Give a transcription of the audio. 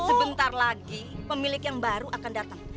sebentar lagi pemilik yang baru akan datang